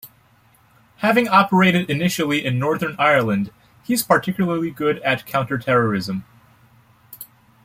Having operated initially in Northern Ireland, he's particularly good at counter-terrorism.